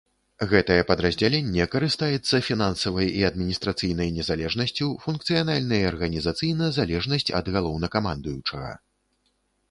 Гэтае падраздзяленне карыстаецца фінансавай і адміністрацыйнай незалежнасцю, функцыянальна і арганізацыйна залежнасць ад галоўнакамандуючага.